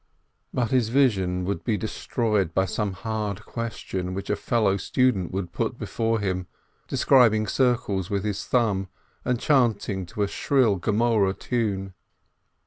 But his vision would be destroyed by some hard question which a fellow student would put before him, describing circles with his thumb and chanting to a shrill Gemoreh tune.